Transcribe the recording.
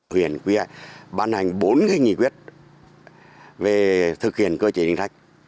huyện quyết bàn hành bốn nghị quyết về thực hiện cơ chế chính sách